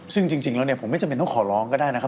ซึ่งจริงแล้วเนี่ยผมไม่จำเป็นต้องขอร้องก็ได้นะครับ